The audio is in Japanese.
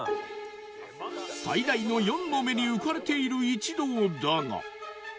最大の「４」の目に浮かれている一同だが